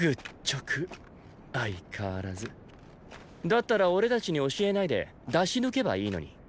だったら俺たちに教えないで出し抜けばいいのに。